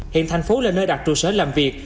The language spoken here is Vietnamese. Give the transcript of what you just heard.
hiện thành phố là nơi đặt trụ sở làm việc